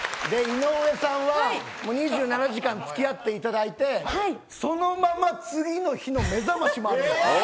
井上さんは２７時間付き合っていただいてそのまま次の日のめざましもある。